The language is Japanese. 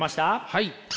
はい。